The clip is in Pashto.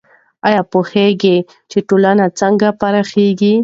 آیا پوهېږئ چې ټولنه څنګه پراخیږي؟